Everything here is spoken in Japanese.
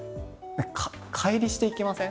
乖離していきません？